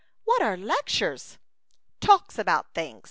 "What are lectures?" "Talks about things."